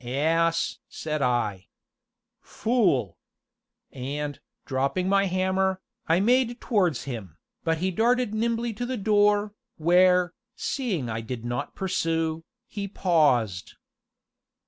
"Ass!" said I. "Fool!" And, dropping my hammer, I made towards him, but he darted nimbly to the door, where, seeing I did not pursue, he paused.